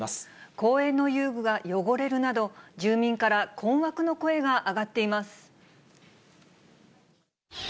公園の遊具が汚れるなど、住民から困惑の声が上がっています。